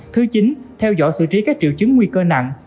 thứ chín theo dõi xử trí các triệu chứng nguy cơ nặng